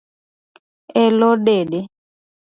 Elo dede